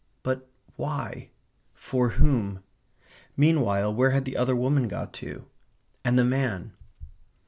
But why? For whom? Meanwhile, where had the other woman got to? And the man?